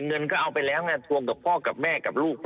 เงินก็เอาไปแล้วไงทวงกับพ่อกับแม่กับลูก